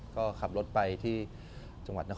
ก็ขับรถไปที่จังหวัดนคร